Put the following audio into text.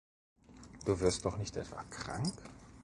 Du wirst doch nicht etwa krank?